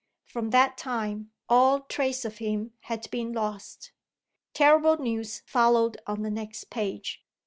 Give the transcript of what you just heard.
From that time, all trace of him had been lost. Terrible news followed on the next page.